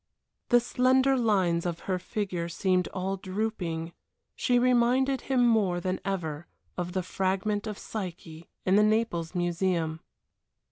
The slender lines of her figure seemed all drooping. She reminded him more than ever of the fragment of Psyche in the Naples Museum.